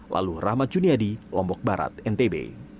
lalu rahmat juniadi lombok barat ntb